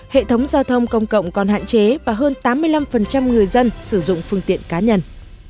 hệ thống giao thông công cộng còn hạn chế và hơn tám mươi năm người dân sử dụng phương tiện cá nhân